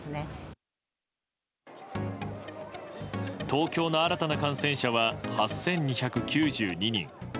東京の新たな感染者は８２９２人。